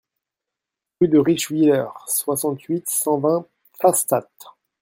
Rue de Richwiller, soixante-huit, cent vingt Pfastatt